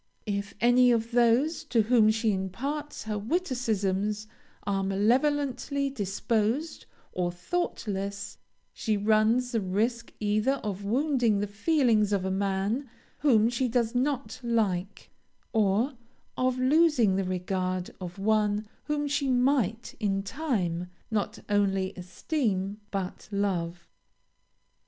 If any of those to whom she imparts her witticisms are malevolently disposed or thoughtless, she runs a risk either of wounding the feelings of a man whom she does not like, or of losing the regard of one whom she might in time not only esteem, but love.